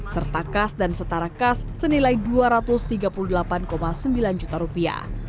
serta kas dan setara kas senilai dua ratus tiga puluh delapan sembilan juta rupiah